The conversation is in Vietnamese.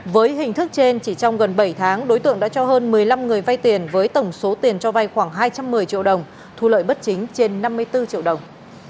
với hình thức trên chỉ trong gần bảy tháng đối tượng đã cho hơn một mươi năm người vay tiền với tổng số tiền cho vay khoảng hai trăm một mươi triệu đồng thu lợi bất chính trên năm mươi bốn triệu đồng